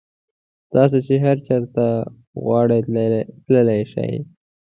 تاسو چې هر چېرته وغواړئ تللی شئ.